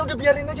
udah biarin aja